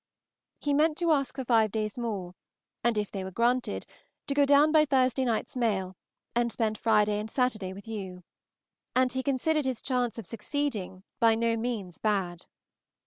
He meant to ask for five days more, and if they were granted, to go down by Thursday night's mail, and spend Friday and Saturday with you; and he considered his chance of succeeding by no means bad.